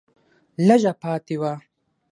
لږه پاتې وه